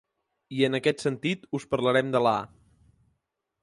I en aquest sentit us parlarem de la a.